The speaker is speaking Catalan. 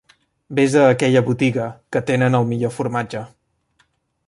Ves a aquella botiga, que tenen el millor formatge.